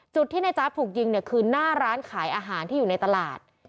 จุดที่นายจ๊าบถูกยิงเนี่ยคือหน้าร้านขายอาหารที่อยู่ในตลาด